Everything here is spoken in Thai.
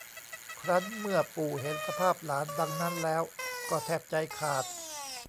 ครั้นเมื่อปู่เห็นสภาพหลานดังนั้นแล้วก็แทบใจขาด